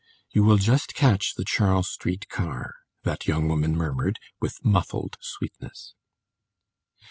"You will just catch the Charles Street car," that young woman murmured, with muffled sweetness.